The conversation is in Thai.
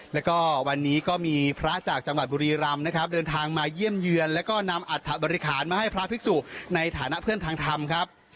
แล้วก็วันนี้ก็มีพระจากจังหวัดบุรีรำนะครับเดินทางมาเยี่ยมเยือนแล้วก็นำอัฐบริหารมาให้พระภิกษุในฐานะเพื่อนทางธรรมครับ